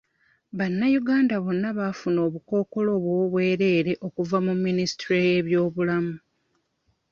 Bannayuganda bonna baafuna obukookoolo obw'obwerere okuva mu minisitule y'ebyobulamu.